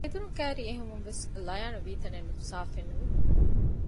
އެދުރުން ކައިރީ އެހުމުންވެސް ލަޔާނު ވީތަނެއް ސާފެއްނުވި